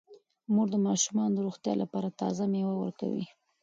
مور د ماشومانو د روغتیا لپاره تازه میوه ورکوي.